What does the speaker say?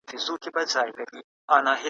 حقونه د انسانانو ارزښت لوړوي.